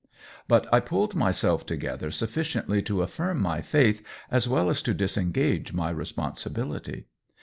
But I pulled myself together sufficiently to affirm my faith as well as to disengage my responsibility.